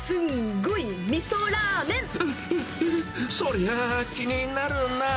そりゃあ、気になるな。